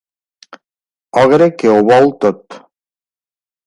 Ogre que ho vol tot.